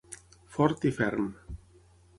Fort i ferm.